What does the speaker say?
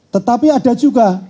tetapi ada juga